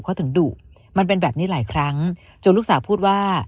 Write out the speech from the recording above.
เขาถึงดุมันเป็นแบบนี้หลายครั้งจนลูกสาวพูดว่า